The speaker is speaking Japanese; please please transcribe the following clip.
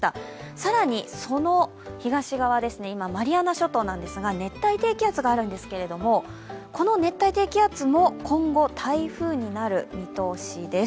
更に、その東側、マリアナ諸島ですが熱帯低気圧があるんですけど、この熱帯低気圧も今後、台風になる見通しです。